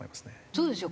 そうですよ。